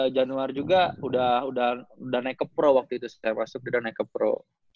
januar juga udah udah udah naik ke pro waktu itu saya masuk udah naik ke pro